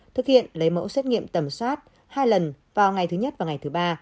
thực hiện lấy mẫu xét nghiệm tầm soát hai lần vào ngày thứ nhất và ngày thứ ba